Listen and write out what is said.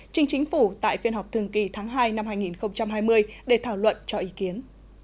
trình chính phủ tại phiên họp thường kỳ tháng hai năm hai nghìn hai mươi để thảo luận cho ý kiến